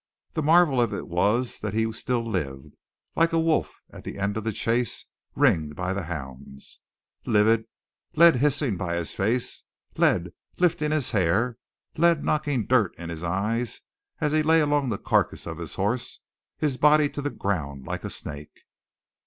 The marvel of it was that he still lived, like a wolf at the end of the chase ringed round by hounds. Lived, lead hissing by his face, lead lifting his hair, lead knocking dirt into his eyes as he lay along the carcass of his horse, his body to the ground like a snake.